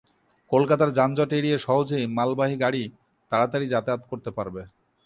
কলকাতার যানজট এড়িয়ে সহজেই মালবাহী গাড়ি তাড়াতাড়ি যাতায়াত করতে পারবে।